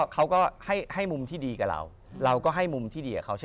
เขาก็ให้มุมที่ดีกับเรา